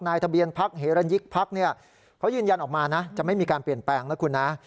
ทะเบียนพักเหรันยิกพักเนี่ยเขายืนยันออกมานะจะไม่มีการเปลี่ยนแปลงนะคุณนะ